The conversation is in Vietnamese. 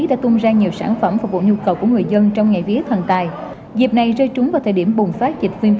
đã tung ra nhiều sản phẩm phục vụ nhu cầu